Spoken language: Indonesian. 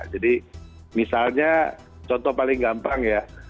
jadi misalnya contoh paling gampang ya